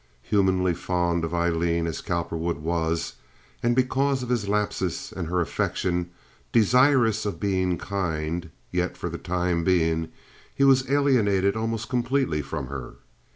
Humanly fond of Aileen as Cowperwood was, and because of his lapses and her affection, desirous of being kind, yet for the time being he was alienated almost completely from her.